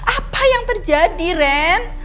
apa yang terjadi ren